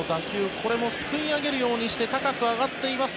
これもすくい上げるようにして高く上がっています。